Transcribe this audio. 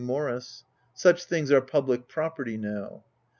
Morris. Such things are public property now.